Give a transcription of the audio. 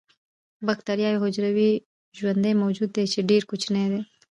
باکتریا یو حجروي ژوندی موجود دی چې ډیر کوچنی دی